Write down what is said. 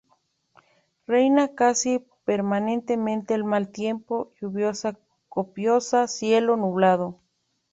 Reina casi permanentemente el mal tiempo, lluvia copiosa, cielo nublado.